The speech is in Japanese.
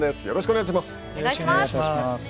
よろしくお願いします。